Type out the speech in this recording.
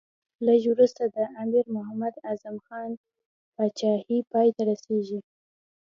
لږ وروسته د امیر محمد اعظم خان پاچهي پای ته رسېږي.